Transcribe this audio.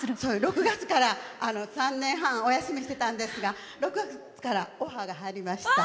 ６月から３年半、お休みしてたんですが６月からオファーが入りました。